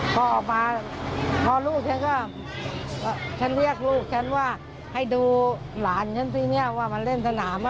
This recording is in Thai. พอออกมาพอลูกฉันก็ฉันเรียกลูกฉันว่าให้ดูหลานฉันสิเนี่ยว่ามาเล่นสนาม